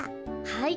はい。